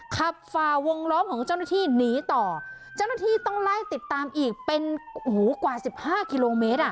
ฝ่าวงล้อมของเจ้าหน้าที่หนีต่อเจ้าหน้าที่ต้องไล่ติดตามอีกเป็นหูกว่าสิบห้ากิโลเมตรอ่ะ